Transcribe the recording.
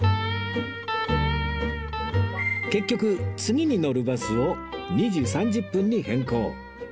結局次に乗るバスを２時３０分に変更